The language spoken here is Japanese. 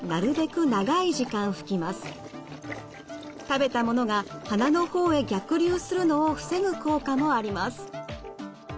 食べたものが鼻の方へ逆流するのを防ぐ効果もあります。